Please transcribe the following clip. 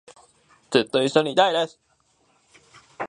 ずっと一緒にいたいです